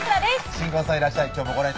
新婚さんいらっしゃい！